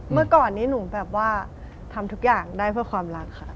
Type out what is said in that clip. เมื่อก่อนนี้หนูแบบว่าทำทุกอย่างได้เพื่อความรักค่ะ